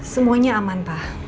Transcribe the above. semuanya aman pak